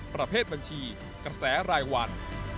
ประเภทบัญชีกระแสรายวัน